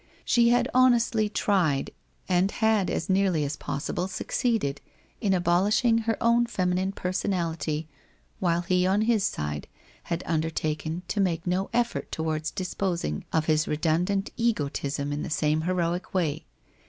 She had honestly tried and had as nearly as possible succeeded, in abolishing her own feminine personality, while he on his side had undertaken to make no effort towards dis posing of his redundant egotism in the same heroic way.